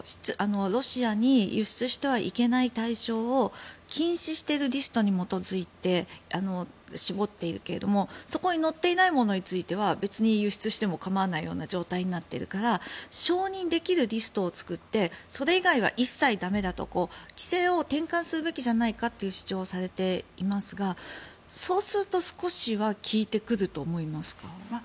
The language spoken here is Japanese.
ロシアに輸出してはいけない対象を禁止しているリストに基づいて絞っていてそこに載っていないものについては輸出しても構わない状況になっているから承認できるリストを作ってそれ以外は一切だめだと規制を転換すべきじゃないかという主張をされていますがそうすると少しは効いてくると思いますか？